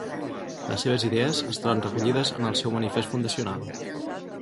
Les seves idees es troben recollides en el seu manifest fundacional.